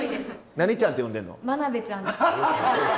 何ちゃんって呼んでんの？